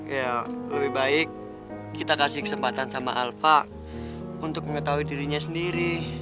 ya lebih baik kita kasih kesempatan sama alfa untuk mengetahui dirinya sendiri